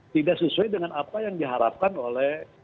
tidak sesuai dengan apa yang diharapkan oleh